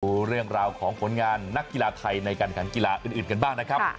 ดูเรื่องราวของผลงานนักกีฬาไทยในการขันกีฬาอื่นกันบ้างนะครับ